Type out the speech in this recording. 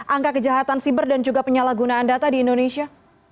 angka kejahatan siber dan juga penyalahgunaan data di indonesia